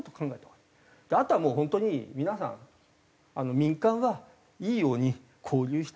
あとはもう本当に皆さん民間はいいように交流して。